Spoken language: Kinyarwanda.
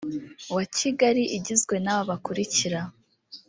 wa kigali igizwe n aba bakurikira